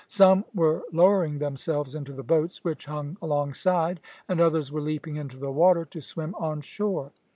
Some were lowering themselves into the boats which hung alongside, and others were leaping into the water to swim on shore.